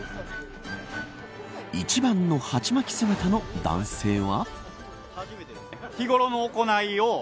１番の鉢巻き姿の男性は。